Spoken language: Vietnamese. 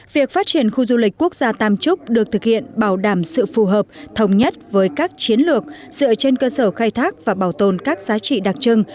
việc phát triển khu du lịch quốc gia tam trúc được thực hiện bảo đảm sự phù hợp thống nhất với các chiến lược dựa trên cơ sở khai thác và bảo tồn các giá trị đặc trưng